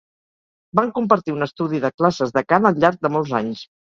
Van compartir un estudi de classes de cant al llarg de molts anys.